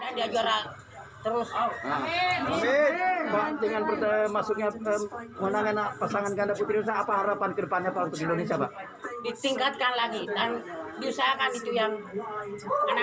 masuknya pasangan kandang